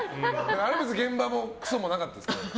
あれは別に現場もくそもなかったです。